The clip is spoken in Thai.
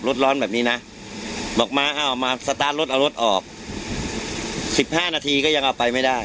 รถร้อนแบบนี้นะบอกมาพร้อมรถออก๑๕นาทีก็ยังเอาไปไม่ได้